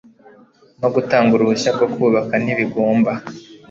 no gutanga uruhushya rwo kubaka ntibigomba